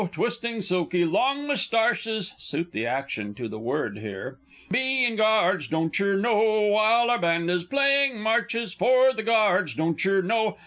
Twisting silky long moustarches, [Suit the action to the word here. Bein' Guards! Doncher know? While our band is playing Marches, For the Guards! Doncher know?